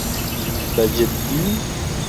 بەجددی؟